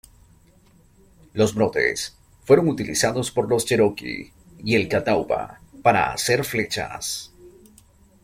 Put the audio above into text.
Los brotes fueron utilizados por los Cheroqui y el Catawba para hacer flechas.